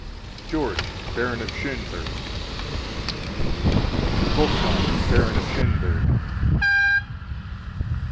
George, Baron of Schoenburg. Wolfgang, Baron of Schoenburg.